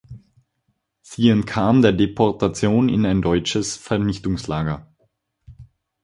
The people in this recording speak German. Sie entkam der Deportation in ein deutsches Vernichtungslager.